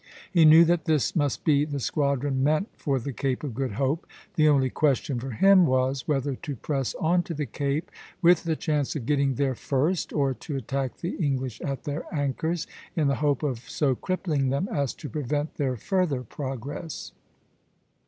He knew that this must be the squadron meant for the Cape of Good Hope. The only question for him was whether to press on to the Cape with the chance of getting there first, or to attack the English at their anchors, in the hope of so crippling them as to prevent their further progress.